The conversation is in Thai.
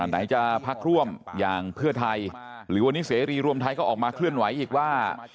ไหนจะพักร่วมอย่างเพื่อไทยหรือวันนี้เสรีรวมไทยก็ออกมาเคลื่อนไหวอีกว่า